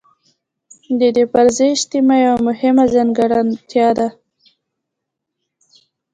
د دې فرضي اجتماع یوه مهمه ځانګړتیا ده.